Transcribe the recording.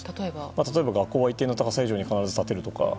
例えば学校は一定の高さ以上に必ず建てるとか。